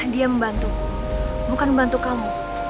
dia membantu bukan membantu kamu